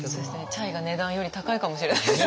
チャイが値段より高いかもしれない。